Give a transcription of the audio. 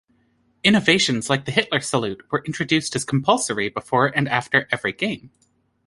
"Innovations" like the Hitler salute were introduced as compulsory before and after every game.